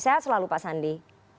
sehat selalu pak sandi